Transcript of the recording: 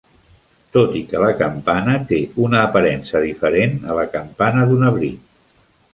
Tot i que la campana té una aparença diferent a la campana d'un abric.